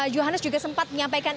johannes juga sempat menyampaikan